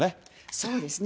そうですね。